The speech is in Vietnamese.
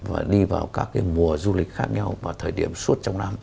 và đi vào các cái mùa du lịch khác nhau vào thời điểm suốt trong năm